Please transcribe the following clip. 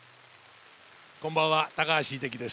こんばんは、高橋英樹です。